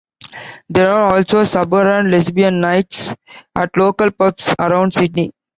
There are also suburban lesbian nights at local pubs around Sydney.